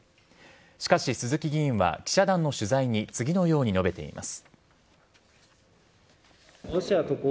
しかし、鈴木議員は記者団の取材について次のように述べています。